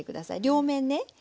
両面ね。